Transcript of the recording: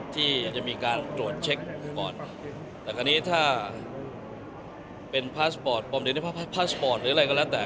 ที่จะมีการตรวจเช็คก่อนแต่คราวนี้ถ้าเป็นพาสปอร์ตบอมหรือพาสปอร์ตหรืออะไรก็แล้วแต่